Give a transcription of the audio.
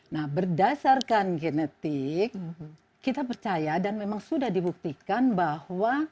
nah berdasarkan genetik kita percaya dan memang sudah dibuktikan bahwa